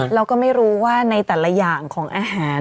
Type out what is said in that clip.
เราก็ไม่รู้ว่าในแต่ละอย่างของอาหาร